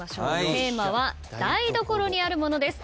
テーマは「台所にあるもの」です。